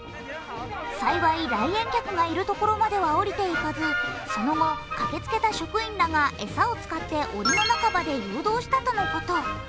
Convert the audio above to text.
幸い来園客がいるところまでは下りていかずその後、駆けつけた職員らが餌を使って檻の中まで誘導したということ。